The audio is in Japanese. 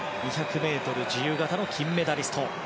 ２００ｍ自由形の金メダリスト。